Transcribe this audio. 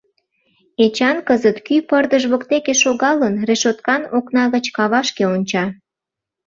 Эчан кызыт, кӱ пырдыж воктеке шогалын, решоткан окна гыч кавашке онча.